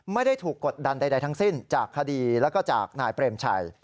ไม่ได้ถูกกดดันใดทั้งสิ้นจากคดีแล้วก็จากนายเปรมชัย